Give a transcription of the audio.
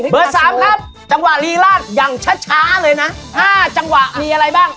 เบอร์๓ครับจังหวะรีลาดอย่างช้าเลยนะ๕จังหวะมีอะไรบ้าง